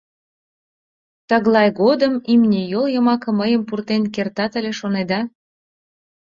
Тыглай годым имне йол йымаке мыйым пуртен кертат ыле, шонеда?